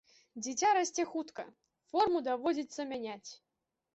Дзіця расце хутка, форму даводзіцца мяняць.